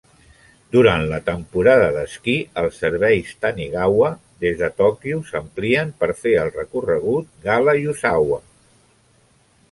Durant la temporada d'esquí, els serveis "Tanigawa" des de Tòquio s'amplien per fer el recorregut Gala-Yuzawa.